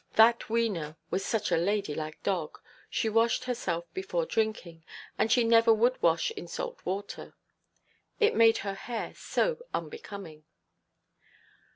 That Wena was such a ladylike dog; she washed herself before drinking, and she never would wash in salt water. It made her hair so unbecoming.